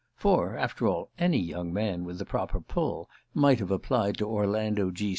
For, after all, any young man with the proper "pull" might have applied to Orlando G.